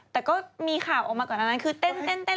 แต่ก็มีข่าวออกมาก่อนอันนั้นคือเต้น